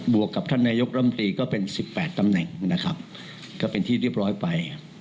วกกับท่านนายกรัมตรีก็เป็น๑๘ตำแหน่งนะครับก็เป็นที่เรียบร้อยไป